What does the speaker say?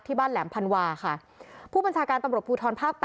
บ้านแหลมพันวาค่ะผู้บัญชาการตำรวจภูทรภาค๘